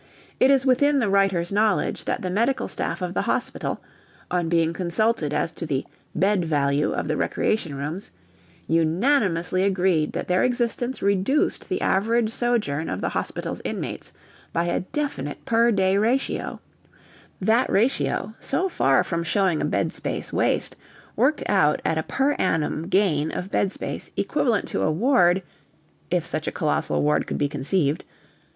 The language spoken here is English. It is within the writer's knowledge that the medical staff of the hospital, on being consulted as to the "bed value" of the recreation rooms, unanimously agreed that their existence reduced the average sojourn of the hospital's inmates by a definite "per day" ratio: that ratio, so far from showing a bed space waste, worked out at a per annum gain of bed space equivalent to a ward if such a colossal ward could conceived!